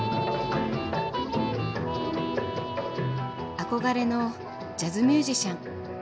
憧れのジャズミュージシャン。